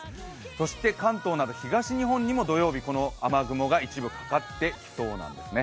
そして関東など東日本にも土曜日この雨雲が一部かかってきそうなんですね。